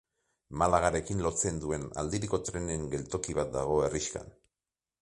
Malagarekin lotzen duen aldiriko trenen geltoki bat dago herrixkan.